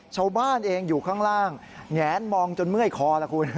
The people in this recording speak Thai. ชาวบ้านเองอยู่ข้างล่างแงนมองจนเมื่อยคอล่ะคุณ